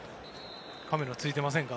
カメラついてませんか？